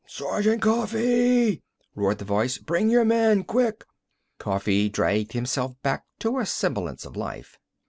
"Sergeant Coffee!" roared the voice. "Bring your men! Quick!" Coffee dragged himself back to a semblance of life.